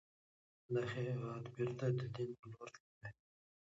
دغه هېواد بیرته د دين پر لور تللی